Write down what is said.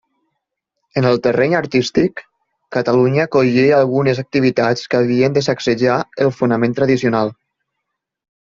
En el terreny artístic, Catalunya acollia algunes activitats que havien de sacsejar el fonament tradicional.